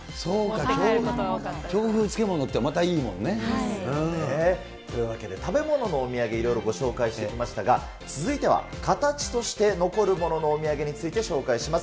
京風漬物ってまたいいものね。というわけで、食べ物のお土産、いろいろご紹介してきましたが、続いては形として残るもののお土産についてご紹介します。